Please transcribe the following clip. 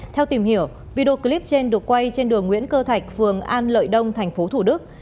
theo tìm hiểu video clip trên được quay trên đường nguyễn cơ thạch phường an lợi đông thành phố thủ đức